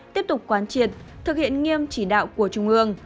tiếp tục quán triệt thực hiện nghiêm chỉ đạo của trung ương